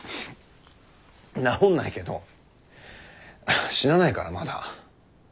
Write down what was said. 治んないけど死なないからまだ。